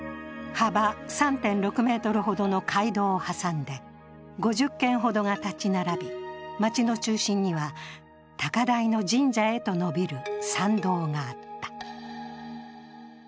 幅３．６ｍほどの街道を挟んで５０軒ほどが立ち並び、街の中心には高台の神社へと延びる参道があった。